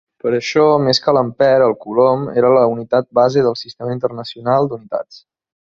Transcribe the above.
Per això, més que l'ampere, el coulomb era la unitat base del Sistema Internacional d'Unitats.